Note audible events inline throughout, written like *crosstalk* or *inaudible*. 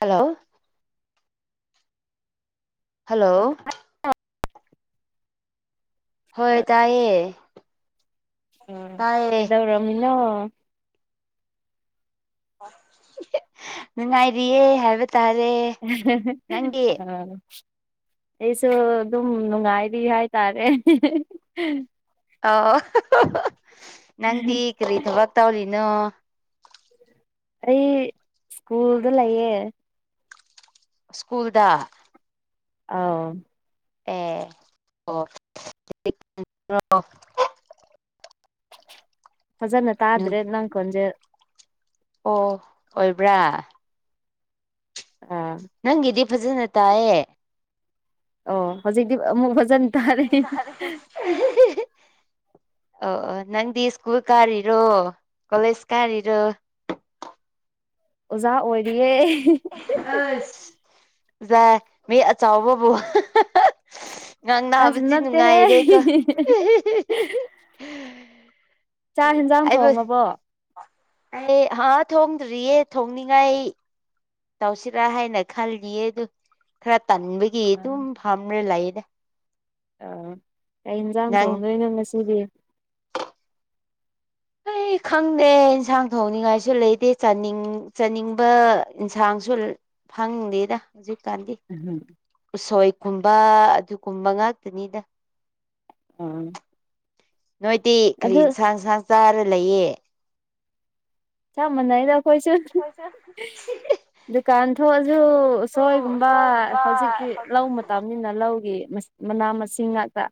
hello hello *unintelligible* ꯍꯣꯏ ꯇꯥꯏꯌꯦ ꯎ ꯇꯥꯏꯌꯦ ꯀꯩꯗꯧꯔꯝꯃꯤꯅꯣ ꯅꯨꯡꯉꯥꯏꯔꯤꯌꯦ ꯍꯥꯏꯕ ꯇꯥꯔꯦ ꯅꯪꯗꯤ *unintelligible* ꯑꯩꯁꯨ ꯑꯗꯨꯝ ꯅꯨꯡꯉꯥꯏꯔꯤ ꯍꯥꯏꯇꯥꯔꯦ ꯑ ꯅꯪꯗꯤ ꯀꯔꯤ ꯊꯕꯛ ꯇꯧꯔꯤꯅꯣ ꯑꯩ ꯁ꯭ꯀꯨꯜꯗ ꯂꯩꯌꯦ ꯁ꯭ꯀꯨꯜꯗ ꯑꯥꯎ ꯑꯦ ꯑꯣ *inaudible* ꯐꯖꯅ ꯇꯥꯗ꯭ꯔꯦ ꯅꯪ ꯈꯣꯟꯖꯦꯟ ꯑꯣ ꯑꯣꯏꯕ꯭ꯔꯥ ꯑꯥ ꯅꯪꯒꯤꯗꯤ ꯐꯖꯅ ꯇꯥꯏꯌꯦ ꯑꯣ ꯍꯧꯖꯤꯛꯇꯤ ꯑꯃꯨꯛ ꯐꯖꯅ ꯇꯥꯔꯦ *unintelligible* ꯑꯧ ꯑ ꯅꯪꯗꯤ ꯁ꯭ꯀꯨꯜ ꯀꯥꯔꯤꯔꯣ ꯀꯣꯂꯦꯖ ꯀꯥꯔꯤꯔꯣ ꯑꯣꯖꯥ ꯑꯣꯏꯔꯤꯌꯦ ꯑꯁ ꯃꯤ ꯑꯆꯥꯎꯕꯕꯨ ꯉꯥꯡ ꯑꯁ ꯅꯥꯕꯁꯤ ꯅꯠꯇꯦꯍꯦ ꯅꯨꯡꯉꯥꯏꯔꯦꯀꯣ *unintelligible* ꯆꯥꯛ ꯌꯦꯟꯖꯥꯡ ꯑꯩꯕꯨ ꯊꯣꯡꯉꯕꯣ ꯑꯩ ꯍꯥꯥꯍꯥ ꯊꯣꯡꯗ꯭ꯔꯤꯌꯦ ꯊꯣꯡꯅꯤꯡꯉꯥꯏ ꯇꯧꯁꯤꯔꯥ ꯍꯥꯏꯅ ꯈꯜꯂꯤꯌꯦ ꯑꯗꯨ ꯈꯔ ꯇꯟꯕꯒꯤ ꯑꯗꯨꯝ ꯐꯝꯅ ꯂꯥꯛꯌꯦꯗ ꯑ ꯀꯩ ꯏꯟꯁꯥꯡ ꯅꯪ ꯊꯣꯡꯗꯣꯏꯅꯣ ꯉꯁꯤꯗꯤ ꯑꯩ ꯈꯪꯗꯦ ꯏꯟꯁꯥꯡ ꯊꯣꯡꯅꯤꯡꯉꯥꯏꯁꯨ ꯂꯩꯇꯦꯅꯤꯡ ꯆꯥꯅꯤꯡꯕ ꯏꯟꯁꯥꯡꯁꯨ ꯈꯪꯗꯦꯗ ꯍꯧꯖꯤꯛꯀꯥꯟꯗꯤ *unintelligible* ꯎꯁꯣꯏ ꯀꯨꯝꯕ ꯑꯗꯨꯒꯨꯝꯕ ꯉꯥꯛꯇꯅꯤꯗ *inaudible* ꯅꯣꯏꯗꯤ ꯀꯔꯤ ꯑꯗꯨ ꯏꯟꯁꯥꯡ ꯏꯟꯁꯥꯡ ꯆꯥꯔ ꯂꯩꯌꯦ ꯆꯞ ꯃꯥꯟꯅꯩꯗ ꯑꯩꯈꯣꯏꯁꯨ *unintelligible* ꯗꯨꯀꯥꯟ ꯊꯣꯛꯑꯖꯨ ꯎꯁꯣꯏꯒꯨꯝꯕ ꯎꯁꯣꯏꯒꯨꯝꯕ ꯍꯧꯖꯤꯛꯇꯤ ꯂꯧ ꯍꯧꯖꯤꯛꯇꯤ ꯃꯇꯝꯅꯤꯅ ꯂꯧꯒꯤ ꯃꯅꯥ ꯃꯁꯤꯡ ꯉꯥꯛꯇ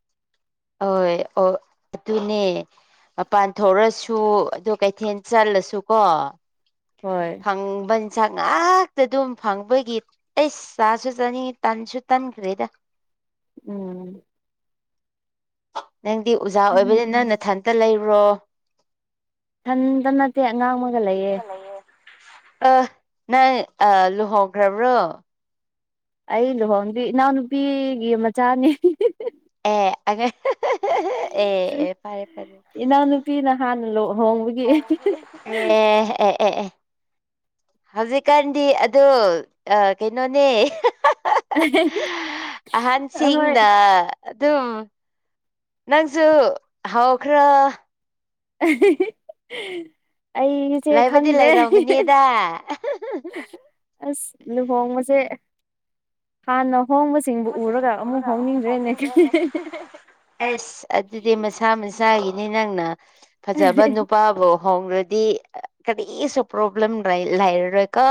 ꯍꯣꯏ ꯑꯣ ꯑꯗꯨꯅꯦ ꯃꯄꯥꯟ ꯊꯣꯛꯔꯁꯨ ꯑꯗꯨ ꯀꯩꯊꯦꯜ ꯆꯠꯂꯁꯨ ꯀꯣ ꯍꯣꯏ ꯐꯪꯕꯟꯁꯛ ꯉꯥꯛꯇ ꯑꯗꯨꯝ ꯐꯪꯕꯒꯤ ꯑꯩꯁ ꯁꯥꯁꯨ ꯆꯥꯅꯤꯡꯉꯤ ꯇꯟꯁꯨ ꯇꯟꯈ꯭ꯔꯦꯗ ꯎꯝ ꯅꯪꯗꯤ ꯎꯖꯥ ꯎꯝ ꯑꯣꯏꯕꯅꯤ ꯅꯪ ꯅꯊꯟꯇ ꯂꯩꯕ꯭ꯔꯣ ꯏꯊꯟꯇ ꯅꯠꯇꯦ ꯑꯉꯥꯡꯃꯒ ꯂꯩꯌꯦ ꯑ ꯅꯪ ꯑ ꯂꯨꯍꯣꯡꯈ꯭ꯔꯕ꯭ꯔꯣ ꯑꯩ ꯂꯨꯍꯣꯡꯗ꯭ꯔꯤ ꯏꯅꯥꯎꯅꯨꯄꯤꯒꯤ ꯃꯆꯥꯅꯤ *unintelligible* ꯑꯦ *unintelligible* ꯑꯦ ꯐꯔꯦ ꯐꯔꯦ ꯄꯤꯅ ꯍꯥꯟꯅ ꯂꯍꯣꯡꯕꯒꯤ ꯑꯦ ꯑꯦ ꯑꯦ ꯑꯦ ꯍꯧꯖꯤꯛꯀꯥꯟꯗꯤ ꯑꯗꯣ ꯀꯩꯅꯣꯅꯦ *unintelligible* ꯑꯍꯣꯏ ꯑꯍꯟꯁꯤꯡꯅ ꯑꯗꯨꯝ ꯅꯪꯁꯨ ꯍꯎꯈ꯭ꯔꯣ *unintelligible* ꯑꯩꯒꯤꯁꯦ ꯂꯩꯕꯗꯤ ꯈꯪꯗ꯭ꯔꯦ ꯂꯩꯔꯝꯒꯅꯤꯗ ꯑꯁ ꯂꯨꯍꯣꯡꯕꯁꯦ ꯍꯥꯟꯅ ꯍꯣꯡꯕꯁꯦ ꯁꯤꯡꯗꯨ ꯎꯔꯒ ꯑꯃꯨꯛ ꯍꯣꯡꯅꯤꯡꯗ꯭ꯔꯦꯅ ꯑꯁ ꯑꯗꯨꯗꯤ ꯃꯁꯥ ꯃꯁꯥꯒꯤꯅꯤ ꯅꯪꯅ ꯐꯖꯕ ꯅꯨꯄꯥꯕꯣ ꯍꯣꯡꯔꯗꯤ ꯀꯔꯤꯁꯨ ꯄ꯭ꯔꯣꯕ꯭ꯂꯦꯝ ꯂꯩꯔꯔꯣꯏ ꯀꯣ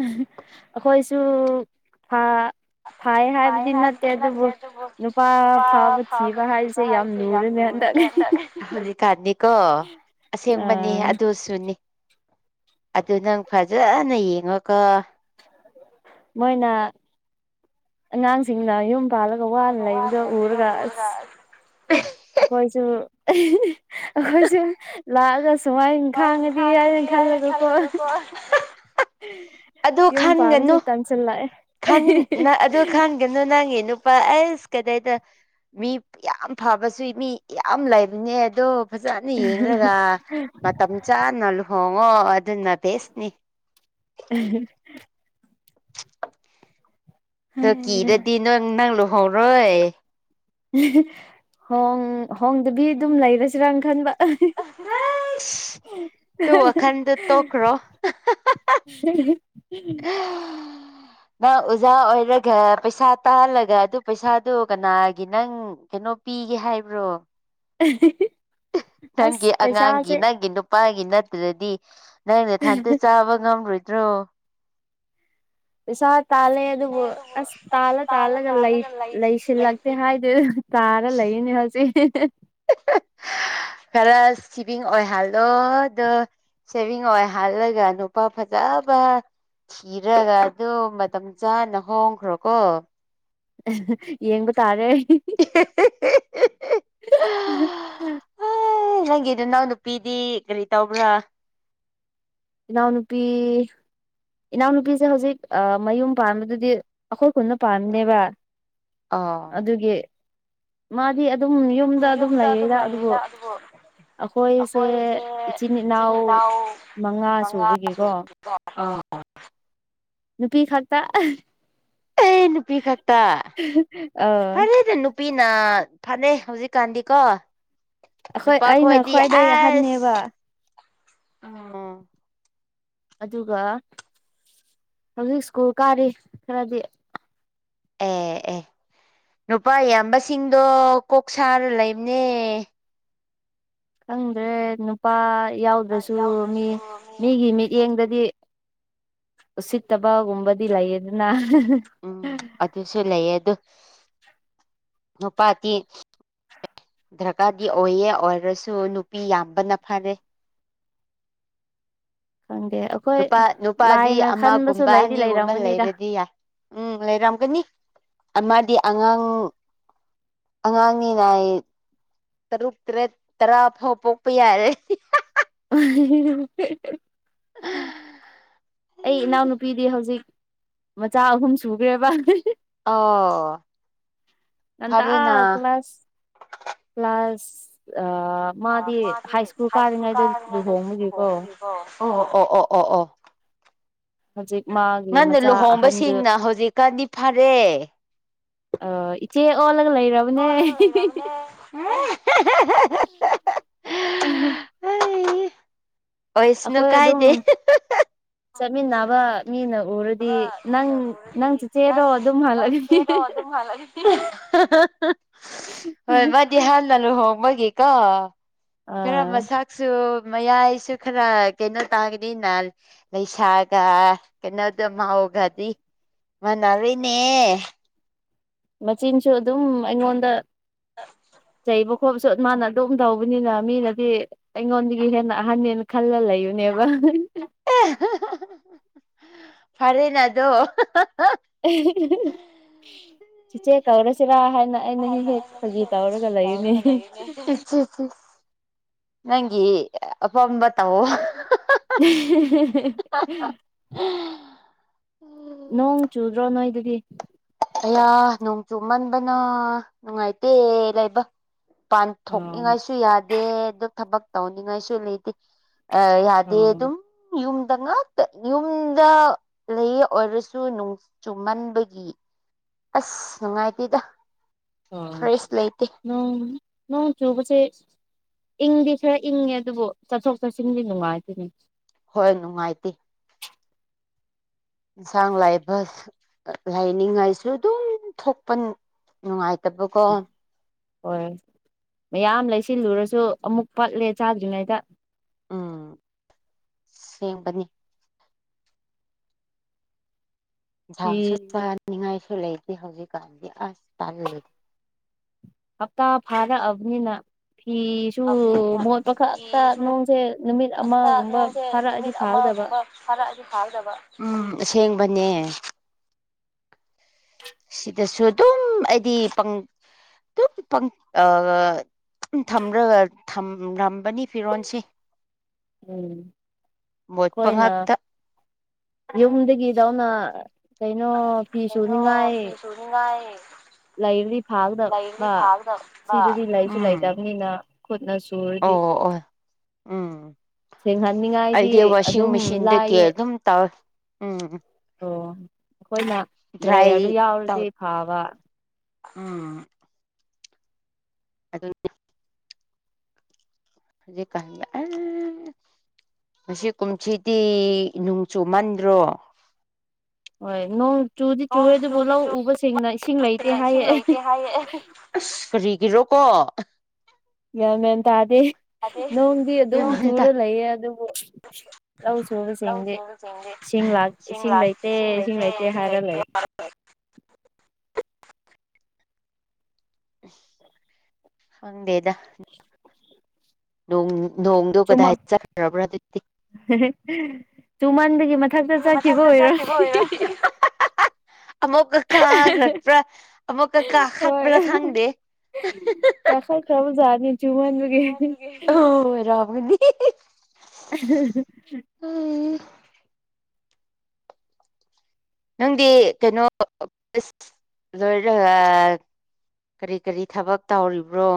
ꯑꯩꯈꯣꯏꯁꯨ ꯊꯥ ꯐꯥꯏ ꯍꯥꯏꯕꯗꯤ ꯅꯠꯇꯦ ꯑꯗꯨꯕꯨ ꯅꯨꯄꯥ ꯑꯐꯕ ꯊꯤꯕ ꯍꯥꯏꯕꯁꯦ ꯌꯥꯝ ꯂꯨꯔꯅꯦ ꯍꯟꯗꯛ ꯍꯧꯖꯤꯛꯀꯥꯟꯗꯤꯀꯣ ꯑꯁꯦꯡꯕꯅꯤ ꯑꯥ ꯑꯗꯨꯁꯨꯅꯤ ꯑꯗꯨ ꯅꯪ ꯐꯖꯅ ꯌꯦꯡꯉꯣꯀꯣ ꯃꯣꯏꯅ ꯑꯉꯥꯡꯁꯤꯡꯅ ꯌꯨꯝ ꯄꯥꯜꯂꯒ ꯋꯥꯅ ꯂꯩꯕꯗ ꯎꯔꯒ ꯑꯁ ꯑꯩꯈꯣꯏꯁꯨ ꯑꯩꯈꯣꯏꯁꯨ ꯂꯥꯛꯑꯒ ꯁꯨꯃꯥꯏꯅ ꯈꯥꯡꯉꯗꯤ ꯍꯥꯏꯅ ꯈꯜꯂꯒꯀꯣ ꯑꯗꯨ ꯏꯟ ꯐꯥꯔꯝꯁꯤ ꯈꯟꯒꯅꯨ ꯇꯪꯁꯜꯂ ꯑꯗꯨ ꯈꯟꯒꯅꯨ ꯅꯪꯒꯤ ꯅꯨꯄꯥ ꯑꯁ ꯀꯗꯩꯗ ꯃꯤ ꯌꯥꯝ ꯐꯕꯁꯨꯏ ꯃꯤ ꯌꯥꯝ ꯂꯩꯕꯅꯦ ꯑꯗꯣ ꯐꯖꯅ ꯌꯦꯡꯈꯒ ꯃꯇꯝ ꯆꯥꯅ ꯂꯨꯍꯣꯡꯉꯣ ꯑꯗꯨꯅ ꯕꯦꯁꯅꯤ ꯎꯝꯍꯨꯝ ꯗꯀꯤꯔꯗꯤ ꯅꯪ ꯅꯪ ꯂꯨꯍꯣꯡꯔꯣꯏ ꯍꯣꯡ ꯍꯣꯡꯗꯕꯤ ꯑꯗꯨꯝ ꯂꯩꯔꯁꯤꯔ ꯈꯟꯕ ꯍꯩꯁ ꯗꯨ ꯋꯥꯈꯟꯗꯨ ꯇꯣꯛꯈ꯭ꯔꯣ *unintelligible* *unintelligible* ꯅꯪ ꯑꯨꯖꯥ ꯑꯣꯏꯔꯒ ꯄꯩꯁꯥ ꯇꯥꯜꯂꯒ ꯑꯗꯨ ꯄꯩꯁꯥꯗꯨ ꯀꯅꯥꯒꯤ ꯅꯪ ꯀꯩꯅꯣ ꯄꯤꯒꯦ ꯍꯥꯏꯕ꯭ꯔꯣ *unintelligible* ꯑꯁ ꯅꯪꯒꯤ ꯑꯉꯥꯡꯒꯤ ꯄꯩꯁꯥꯁꯦ ꯅꯪꯒꯤ ꯅꯨ ꯄꯥꯥꯏꯒꯤ ꯅꯠꯇꯗꯗꯤ ꯅꯪꯅ ꯊꯟꯇ ꯆꯥꯕ ꯉꯝꯔꯣꯏꯗ꯭ꯔꯣ ꯄꯩꯁꯥ ꯇꯥꯜꯂꯦ ꯑꯗꯨꯕꯨ ꯑꯁ ꯇꯥꯜꯂ ꯇꯥꯜꯂꯒ ꯂꯩꯁꯤꯜꯂꯛꯇꯦ ꯍꯥꯏ ꯇꯔ ꯂꯩꯅꯦ ꯍꯧꯖꯤ ꯀꯂ ꯁꯤꯚꯡ ꯑꯣꯏꯍꯜꯗꯣ ꯑꯗꯨ ꯁꯦꯚꯤꯡ ꯑꯣꯏ ꯍꯥꯜꯂꯒ ꯅꯨꯄꯥ ꯐꯖꯕ ꯊꯤꯔꯒ ꯑꯗꯨ ꯃꯇꯝ ꯆꯥꯅ ꯍꯣꯡꯈ꯭ꯔꯣꯀꯣ ꯌꯦꯡꯕꯨ ꯇꯥꯔꯦ *inaudible* ꯍ ꯅꯪꯒꯤꯗ ꯅꯪ ꯅꯨꯄꯤꯗꯤ ꯀꯔꯤ ꯇꯧꯕ꯭ꯔꯥ ꯅꯥꯎ ꯅꯨꯄꯤ ꯏꯅꯥꯎꯅꯨꯄꯤꯁꯦ ꯍꯧꯖꯤꯛ ꯃꯌꯨꯝ ꯄꯥꯟꯕꯗꯨꯗꯤ ꯑꯩꯈꯣꯏ ꯈꯨꯅ ꯄꯥꯝꯃꯤꯅꯦꯕ ꯑꯣ ꯑꯗꯨꯒꯤ ꯃꯥꯗꯤ ꯌꯨꯝꯗ ꯑꯗꯨꯝ ꯂꯩꯌꯦꯗ ꯑꯗꯨꯕꯨ ꯑꯩꯈꯣꯏꯁꯦ ꯏꯆꯤꯟ ꯏꯅꯥꯎ ꯆꯤꯟꯅꯥꯎ ꯃꯉꯥ ꯁ ꯅꯨꯄꯤ ꯈꯛꯇ ꯅꯨꯄꯤ ꯀꯇ ꯑꯥ ꯐꯔꯦꯗ ꯅꯨꯄꯤ ꯅꯨꯄꯤꯅ ꯐꯔꯦ ꯍꯧꯖꯤꯛꯀꯥꯟꯗꯤꯀꯣ ꯑꯩꯈꯣꯏ ꯑꯩꯅ ꯅꯨꯄꯥꯈꯣꯏꯗꯤ ꯈ꯭ꯋꯥꯏꯗꯒꯤ ꯑꯁ ꯑꯍꯟꯅꯦꯕ ꯑ ꯑꯗꯨꯒ ꯍꯧꯖꯤꯛ ꯁ꯭ꯀꯨꯜ ꯀꯥꯔꯤ ꯈꯔꯗꯤ ꯑꯦ ꯑꯦ ꯅꯨꯄꯥ ꯏꯌꯥꯝꯕꯁꯤꯡꯗꯣ ꯀꯣꯛꯁꯔ ꯂꯩꯕꯅꯦ ꯈꯪꯗ꯭ꯔꯦ ꯅꯨꯄꯥ ꯌꯥꯎꯗ꯭ꯔꯁꯨ ꯃꯤ ꯌꯥꯎꯗ꯭ꯔꯁꯨ ꯃꯤ ꯃꯤꯒꯤ ꯃꯤꯠꯌꯦꯡꯗꯗꯤ ꯎꯁꯤꯠꯇꯕꯒꯨꯝꯕꯗꯤ ꯂꯩꯌꯦꯗꯅ ꯎꯝ ꯑꯗꯨꯁꯨ ꯂꯩꯌꯦ ꯑꯗꯨ ꯅꯨꯄꯥꯇꯤ ꯗꯔꯀꯥꯔꯗꯤ ꯑꯣꯏꯌꯦ ꯑꯣꯏꯔꯁꯨ ꯅꯨꯄꯤ ꯌꯥꯝꯕꯅ ꯐꯔꯦ ꯍꯗꯦ ꯅꯨꯄꯥ ꯅꯨꯄꯥꯗꯤ ꯑꯃꯒꯨꯝꯕ ꯂꯩꯗꯤ ꯑꯅꯤꯒꯨꯝꯕ ꯂꯩꯔꯝꯒꯅꯤꯗ ꯂꯩꯔꯗꯤ ꯌꯥꯏ ꯎꯝ ꯂꯩꯔꯝꯒꯅꯤ ꯑꯃꯗꯤ ꯑꯉꯥꯡ ꯑꯉꯥꯡꯅꯤꯅ ꯑꯩ ꯇꯔꯨꯛ ꯇꯔꯦꯠ ꯇꯔꯥ ꯐꯥꯎꯕ ꯄꯣꯛꯄ ꯌꯥꯔꯦ ꯎ ꯑꯩ ꯏꯅꯥꯎꯅꯨꯄꯤꯗꯤ ꯍꯧꯖꯤꯛ ꯃꯆꯥ ꯑꯍꯨꯝ ꯁꯨꯈ꯭ꯔꯦꯕ ꯑꯣ ꯅ ꯀ ꯐꯔꯦꯅ ꯀ꯭ꯂ꯭ꯂꯥꯁ ꯀ ꯀ꯭ꯂꯥꯁꯥꯁ ꯑ ꯃꯥꯗꯤ ꯍꯥꯏ ꯁ꯭ꯀꯨꯜ ꯀꯥꯔꯤꯉꯩꯗ ꯂꯨꯍꯣꯡꯕꯒꯤꯀꯣ ꯑꯣ ꯑꯣ ꯑꯣ ꯑꯣ ꯑꯣ ꯑꯣ ꯍꯧꯖꯤꯛ ꯃꯥꯒꯤ ꯉꯟꯅ ꯃꯆꯥ ꯑꯍꯟꯗꯨ ꯂꯨꯍꯣꯡꯕꯁꯤꯡꯅ ꯍꯧꯖꯤꯛꯀꯥꯟꯗꯤ ꯐꯔꯦ ꯑ ꯏꯆꯦ ꯑꯣꯜꯂꯒ ꯂꯩꯔꯕꯅꯦ ꯎꯝ ꯑꯣꯏꯁꯅꯨ ꯑꯩꯈꯣꯏ ꯑꯗꯨꯝ ꯀꯥꯏꯗꯦ ꯆꯠꯃꯤꯟꯅꯕ ꯃꯤꯅ ꯑꯕ ꯎꯔꯗꯤ ꯅꯪ ꯃꯤꯅ ꯎꯔꯗꯤ ꯆꯤꯆꯦꯔꯣ ꯅꯪ ꯑꯗꯨꯝ ꯅꯪ ꯆ ꯍꯜꯂꯒꯗꯤ ꯄꯦꯔꯣ ꯑꯗꯨꯝ ꯍꯥꯜꯂꯗꯤ ꯄ ꯍꯣꯏ ꯃꯥꯗꯤ ꯍꯥꯟꯅ ꯂꯨꯍꯣꯡꯕꯒꯤꯀꯣ ꯈꯔ ꯑꯥ ꯃꯁꯥ ꯃꯌꯥꯏꯁꯨ ꯈꯔ ꯀꯩꯅꯣ ꯇꯥꯒꯅꯤ ꯅꯍ ꯂꯩꯁꯥꯒ ꯀꯩꯅꯣꯗ ꯃꯥꯎꯒꯗꯤ ꯃꯥꯟꯅꯔꯅꯦ ꯃꯆꯤꯟꯁꯨ ꯑꯗꯨꯝ ꯑꯩꯉꯣꯟꯗ ꯑ ꯆꯩꯕ ꯈꯣꯠꯄꯁꯨ ꯃꯥꯅ ꯑꯗꯨꯝ ꯇꯧꯕꯅꯤꯅ ꯃꯤꯅꯗꯤ ꯑꯩꯉꯣꯟꯗꯒꯤ ꯍꯦꯟꯅ ꯑꯍꯟꯅꯅ ꯈꯜꯂ ꯂꯩꯌꯨꯅꯦꯕ ꯐꯔꯦꯅꯦꯗꯣ ꯁꯤꯆꯦ ꯀꯧꯔꯁꯤꯔꯥ ꯍꯥꯏꯅ ꯑꯩꯅ ꯍꯦꯛ ꯍꯥꯏꯅ ꯍꯦꯛ ꯑꯩꯅ ꯐꯥꯒꯤ ꯍꯧꯁꯦ ꯇꯧꯔꯒ ꯐꯖꯤ ꯂꯩꯌꯨꯅꯦ ꯇꯧꯔꯒ ꯂꯩꯔꯤꯅꯦ ꯅꯪꯒꯤ ꯑꯄꯥꯝꯕ ꯇꯎꯣ *unintelligible* ꯅꯣꯡ ꯆꯨꯗ꯭ꯔꯣ ꯅꯣꯏꯗꯗꯤ ꯑꯌꯥ ꯅꯣꯡ ꯆꯨ ꯃꯟꯕꯅ ꯅꯨꯡꯉꯥꯏꯇꯦ ꯂꯩꯕ ꯄꯥꯟ ꯑꯣ ꯊꯣꯛꯣꯛꯅꯤꯡꯉꯥꯏꯁꯨ ꯌꯥꯗꯦ ꯑꯗꯨ ꯊꯕꯛ ꯇꯧꯅꯤꯡꯉꯥꯏꯁꯨ ꯂꯩꯇꯦ ꯑ ꯌꯥꯗꯦ ꯑꯣ ꯑꯗꯨꯝ ꯌꯨꯝꯗ ꯉ ꯌꯨꯝꯗ ꯂꯩ ꯑꯣꯏꯔꯁꯨ ꯅꯣꯡ ꯆꯨꯝꯃꯟꯕꯒꯤ ꯑꯁ ꯅꯨꯡꯉꯥꯏꯇꯦꯗ ꯑ ꯐ꯭ꯔꯦꯁ ꯂꯩꯇꯦ ꯅꯣꯡ ꯅꯣꯡ ꯆꯨꯕꯁꯦ ꯏꯪꯗꯤ ꯈꯔ ꯏꯪꯉꯦ ꯑꯗꯨꯕꯨ ꯆꯠꯊꯣꯛ ꯁꯤꯗꯤ ꯃꯥꯥꯏꯇꯅꯦ ꯍꯣꯏ ꯅꯨꯡꯉꯥꯏꯇꯦ ꯏꯟꯁꯥꯡ ꯂꯥꯏꯕ ꯂꯥꯏꯅꯤꯡꯉꯥꯏꯁꯨ ꯑꯗꯨꯝ ꯊꯣꯛꯄ ꯅꯨꯡꯉꯥꯏꯇꯕꯀꯣ ꯍꯣꯏ ꯃꯌꯥꯝ ꯂꯩꯁꯤꯜꯂꯨꯔꯁꯨ ꯑꯃꯨꯛ ꯄꯠꯂꯦ ꯆꯥꯗ꯭ꯔꯤꯉꯩꯗ ꯎꯝ ꯁꯦꯡꯕꯅꯤ ꯐꯤ ꯌꯦꯟꯁꯥꯡꯁꯨ ꯆꯥꯅꯤꯡꯉꯥꯏꯁꯨ ꯂꯩꯇꯦ ꯍꯧꯖꯤꯛꯀꯥꯟꯗꯤ ꯑꯁ ꯇꯥꯜꯂꯨꯗ ꯍꯞꯇꯥ ꯐꯥꯔꯛꯑꯕꯅꯤꯅ ꯐ ꯁꯨ ꯃꯣꯠꯄ ꯈꯛꯇ ꯅꯣꯡꯁꯦ ꯅꯨꯃꯤꯠ ꯑꯃꯒꯨꯝꯕ ꯐꯥꯔꯛꯑꯗꯤ ꯐꯥꯗꯕ ꯐꯔꯑ ꯐꯥꯎꯗꯕ ꯎꯝ ꯑꯁꯦꯡꯕꯅꯦ ꯁꯤꯗꯁꯨ ꯑꯗꯨꯝ ꯑꯩꯗꯤ ꯑꯗꯨ ꯊꯝꯝꯕꯅꯤ ꯐꯤꯔꯣꯟꯜꯁꯦ ꯎꯝ ꯃꯣꯠꯄ ꯑꯩꯈꯣꯏꯅ ꯉꯥꯛꯇ ꯌꯨꯝꯗꯒꯤꯗꯧꯅ ꯀꯩꯅꯣ ꯐꯤ ꯁꯨꯅꯤꯡꯉꯥꯏ ꯆꯨꯡꯉꯏ ꯂꯩꯔꯗꯤ ꯐꯥꯒꯗꯕ ꯁꯤꯗꯗꯤ ꯂꯩꯁꯨ ꯎꯝ ꯂꯩꯇꯕꯅꯤꯅ ꯈꯨꯠꯅꯁꯨꯨꯔꯗꯤ ꯑꯣ ꯑꯣ ꯎꯝ ꯁꯦꯡꯍꯟꯅꯤꯡꯉꯥꯏꯗꯤ ꯑꯩꯗꯤ ꯋꯥꯁꯤꯡ ꯑꯗꯨꯝ ꯃꯦꯆꯤꯟꯗꯒꯤ ꯂꯥꯏꯌꯦ ꯑꯗꯨꯝ ꯇꯧꯋ ꯎꯝ ꯑꯣ ꯑꯩꯈꯣꯏꯅ ꯗ꯭ꯔꯥꯏ ꯗ꯭ꯔꯥꯏꯌꯔꯗꯨ ꯇ ꯌꯥꯎꯔꯗꯤ ꯐꯕ ꯑ ꯑꯗꯨ ꯍꯧꯖꯤ ꯀꯗ ꯑ ꯉ ꯀꯨꯝꯁꯤꯗꯤ ꯅꯣꯡ ꯆꯨꯃꯟꯗ꯭ꯔꯣ ꯍꯣꯏ ꯅꯣꯡ ꯆꯨꯗꯤ ꯆꯨꯨꯔꯦ ꯑꯗꯨꯕꯨ ꯂꯧ ꯎꯕꯁꯤꯡꯅ ꯏꯁꯤꯡ ꯂꯩꯇꯦ ꯍꯥꯏꯌꯦ ꯇꯌꯦ ꯑꯁ ꯐꯔꯤꯒꯤꯔꯣꯀꯣ ꯒ꯭ ꯃꯌꯥꯦꯟ ꯇꯥꯗꯦ ꯅꯣꯡꯗꯤ ꯑꯗꯨꯝ ꯑꯩꯉꯣꯟꯗ ꯆꯨꯔ ꯂꯩꯌꯦ ꯑꯗꯨꯕꯨ ꯂꯧ ꯁꯨꯕꯁꯤꯡꯗꯤ ꯏꯁꯤꯡ ꯏꯁꯤꯡ ꯂꯩꯇꯦ ꯏꯁꯤꯡ ꯂꯩꯇꯦ ꯍꯥꯏꯔ ꯂꯩ ꯍꯪꯗꯦꯗ ꯣꯡ ꯅꯣꯡꯗꯨ ꯀꯗꯥꯏ ꯆꯠꯈ꯭ꯔꯕ꯭ꯔꯣ ꯑꯗꯨ ꯇꯨꯃꯟꯕꯒꯤ ꯃꯊꯛꯇ ꯆꯠꯈꯤꯕ ꯑꯣꯏꯔꯣ ꯑꯃꯨꯛꯀꯀꯥ ꯈꯠꯄ꯭ꯔꯥ ꯑꯃꯨꯛꯀꯀꯥ ꯈꯠꯄ꯭ꯔꯥ ꯈꯪꯗꯦ ꯇ ꯈꯥꯏ ꯈꯕꯖꯅꯤ ꯖꯨꯍꯟꯒꯦ ꯍꯗꯤ ꯎ ꯅꯪꯗꯤ ꯀꯩꯅꯣ ꯂꯣꯏꯔ ꯀꯔꯤ ꯀꯔꯤ ꯊꯕꯛ ꯇꯧꯔꯤꯕ꯭ꯔꯣ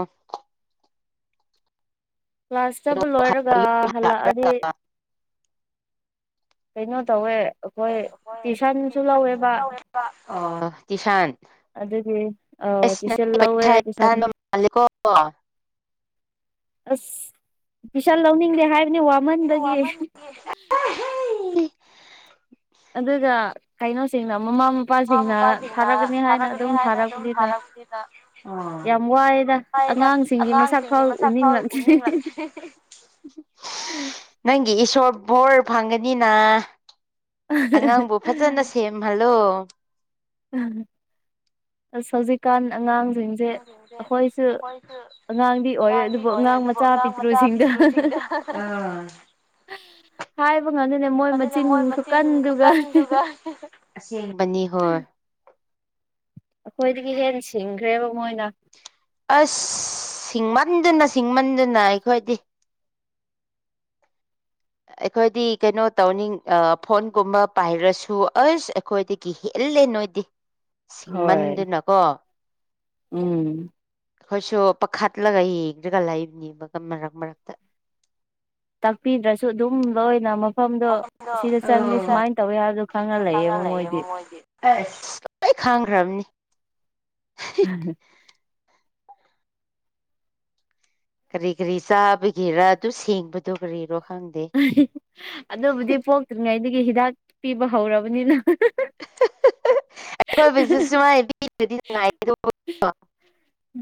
ꯀ꯭ꯂꯥꯁꯇꯕꯨ ꯂꯣꯏꯔꯒ ꯍꯜꯂꯛꯑꯗꯤ ꯀꯩꯅꯣ ꯇꯧꯋꯦ ꯑꯩꯈꯣꯏ ꯇ꯭ꯨꯏꯁꯟꯁꯨ ꯂꯧꯋꯦꯕ ꯑꯣ ꯇꯁꯥꯟ ꯑꯗꯨꯗꯤ ꯑ ꯇꯏꯁꯟ ꯂꯧꯋꯦ ꯄꯩꯁꯥ ꯌꯥꯝ ꯇꯁ ꯇꯥꯟꯕ ꯃꯥꯜꯂꯦꯀꯣ ꯑꯁ ꯄꯤꯁꯥ ꯂꯧꯅꯤꯡꯗꯦ ꯍꯥꯏꯕꯅꯤ ꯋꯥꯃꯟꯗꯒꯤ ꯑꯗꯨꯒ ꯀꯩꯅꯣꯁꯤꯡꯅ ꯑꯃꯃꯝ ꯃꯃꯥ ꯃꯄꯥꯁꯤꯡꯅ ꯊꯥꯔꯛꯀꯅꯤ ꯍꯥꯏꯅ ꯑꯗꯨꯝ ꯊꯥꯔꯛꯄꯅꯤꯅ ꯊꯥꯔꯛꯁꯤꯅ ꯌꯥꯝ ꯋꯥꯏꯗ ꯍꯥꯏꯗ ꯑꯉꯥꯡꯁꯤꯡꯒꯤ ꯑꯉꯥꯡꯁꯤꯡꯒꯤ ꯐꯥꯎ ꯃꯁꯛ ꯊꯥꯎ ꯎꯅꯤꯡꯂꯛꯇ꯭ꯔꯦ ꯎꯞꯅꯤꯡꯂꯛ ꯅꯪꯒꯤ ꯏꯁꯣꯔ ꯕꯣꯔ ꯐꯪꯒꯅꯤꯅ ꯑꯉꯥꯡꯕꯨ ꯐꯖꯅ ꯁꯦꯝꯍꯜꯂꯣ ꯑꯁ ꯍꯧꯖꯤꯛꯀꯥꯟ ꯑꯉꯥꯡꯁꯤꯡ ꯑꯉꯥꯡꯁꯤꯡꯁꯦ ꯑꯩꯈꯣꯏꯁꯨ ꯑꯣꯏ ꯑꯉꯥꯡꯗꯤ ꯑꯣꯏ ꯑꯉꯥꯡ ꯑꯗꯨꯕꯨ ꯃꯆꯥ ꯑꯉꯥꯡ ꯃꯆꯥ ꯄꯤꯛꯇ꯭ꯔꯨꯁꯤꯡꯗ ꯄꯤꯄ꯭ꯔꯨꯁꯤꯡꯗ ꯎꯝ ꯎꯝ ꯍꯥꯏꯕ ꯉꯝꯗꯅꯦ ꯃꯣꯏ ꯃꯆꯤꯟ ꯈꯨꯀꯟꯗꯨꯒ ꯕꯅꯤ ꯍꯣꯏ ꯑꯩꯈꯣꯏꯗꯒꯤ ꯍꯦ ꯁꯤꯡꯈ꯭ꯔꯦꯕ ꯃꯣꯏꯅ ꯑꯁ ꯁꯤꯡꯃꯟꯗꯅ ꯁꯤꯡꯃꯟꯗꯅ ꯑꯩꯈꯣꯏꯗꯤ ꯑꯩꯈꯣꯏꯗꯤ ꯀꯩꯅꯣ ꯇꯧꯅꯤꯡ ꯐꯣꯟꯒꯨꯝꯕ ꯄꯥꯏꯔꯁꯨ ꯑꯁ ꯑꯩꯈꯣꯏꯗꯒꯤ ꯍꯦꯜꯂꯦ ꯅꯣꯏꯗꯤ *inaudible* ꯍꯣꯏ ꯁꯤꯡꯃꯟꯗꯨꯅꯀꯣ ꯎꯝ ꯑꯩꯈꯣꯏꯁꯨ ꯄꯥꯈꯠꯂꯒ ꯌꯦꯡꯗ꯭ꯔꯒ ꯂꯩꯕꯅꯦꯕꯒ ꯃꯔꯛ ꯃꯔꯛꯇ ꯇꯥꯛꯄꯤꯗ꯭ꯔꯁꯨ ꯑꯗꯨꯝ ꯂꯣꯏꯅꯃꯛ ꯃꯐꯝꯗꯣ ꯁꯤꯗ ꯆꯪꯂꯤ ꯑꯣ ꯁꯨꯃꯥꯏꯅ ꯇꯧꯏꯤ ꯍꯥꯏꯕꯗꯣ ꯈꯪꯉ ꯂꯩꯌꯦꯕ ꯃꯣꯏꯗꯤ ꯑꯁ ꯂꯣꯏ ꯈꯥꯡꯈ꯭ꯔꯕꯅꯤ ꯎꯝ ꯍ ꯀꯔꯤ ꯀꯔꯤ ꯆꯥꯕꯒꯤꯔꯥ ꯑꯗꯨ ꯁꯦꯡꯕꯗꯨꯣ ꯀꯔꯤꯔꯣ ꯈꯪꯒꯦ ꯑꯗꯨꯕꯨꯗꯤ ꯄꯣꯛꯇ꯭ꯔꯤꯉꯩꯗꯒꯤ ꯍꯤꯗꯥꯛ ꯄꯤꯕ ꯍꯧꯔꯕꯅꯤꯅ ꯑꯩꯣꯏ ꯁꯁꯤꯃꯕꯤ ꯅꯥꯏ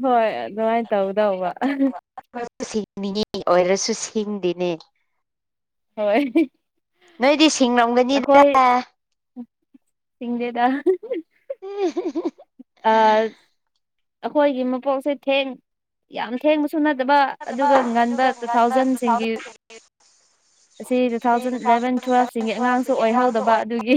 ꯍꯣꯏ ꯑꯗꯨꯗꯉꯥꯏ ꯁꯤꯡꯅꯤꯡꯉꯤ ꯑꯣꯏꯔꯁꯨ ꯁꯤꯡꯗꯤꯅꯦ ꯍꯣꯏ ꯅꯣꯏꯗꯤ ꯁꯤꯡꯔꯝꯒꯅꯤꯗ ꯑꯩꯈꯣꯏ ꯁꯤꯡꯗꯦꯗ ꯑ ꯑꯩꯈꯣꯏꯒꯤ ꯃꯄꯣꯛꯁꯦ ꯊꯦꯡ ꯌꯥꯝ ꯊꯦꯡꯕ ꯁꯨꯅꯗꯕ ꯑꯗꯨꯒ ꯉꯟꯕ ꯇꯨ ꯊꯥꯎꯖꯟꯁꯤꯡꯒꯤ ꯑꯁꯤ ꯇꯨ ꯊꯥꯎꯖꯟ ꯏꯂꯚꯦꯟ ꯇꯨꯋꯦꯜꯁꯤꯡꯒꯤ ꯑꯉꯥꯡꯁꯨ ꯑꯣꯏꯍꯧꯗꯕ ꯑꯗꯨꯒꯤ